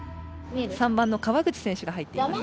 ３番の川口選手が入っています。